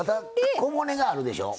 小骨があるでしょ。